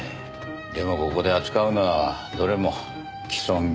でもここで扱うのはどれも既存技術だ。